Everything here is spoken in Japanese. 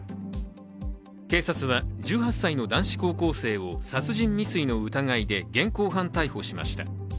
警察は１８歳の男子高校生を殺人未遂の疑いで現行犯逮捕しました。